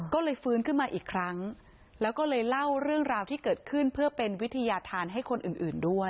ก็เลยฟื้นขึ้นมาอีกครั้งแล้วก็เลยเล่าเรื่องราวที่เกิดขึ้นเพื่อเป็นวิทยาธารให้คนอื่นด้วย